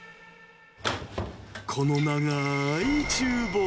この長いちゅう房。